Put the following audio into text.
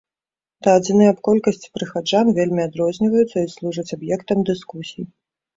Дадзеныя аб колькасці прыхаджан вельмі адрозніваюцца і служаць аб'ектам дыскусій.